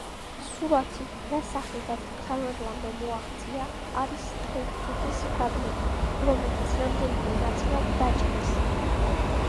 სურათი, რა სახითაც დღევანდლამდე მოაღწია, არის ტრიპტიქის ფრაგმენტი, რომელიც რამდენიმე ნაწილად დაჭრეს.